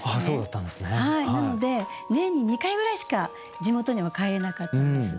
なので年に２回ぐらいしか地元には帰れなかったんです。